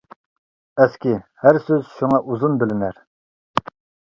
ئەسكى ھەر سۆز شۇڭا ئۇزۇن بىلىنەر.